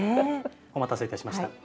お待たせいたしました。